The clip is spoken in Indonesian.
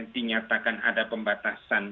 dinyatakan ada pembatasan